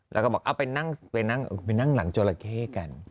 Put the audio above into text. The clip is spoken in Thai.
แล้วก็บอกเอาไปนั่งหลังจราเข้กัน